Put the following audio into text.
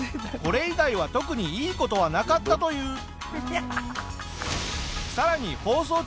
これ以外は特にいい事はなかったという。